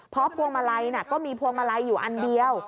เพราะพวงมาลัยก็มีพวงมาลัยอยู่อันเดียว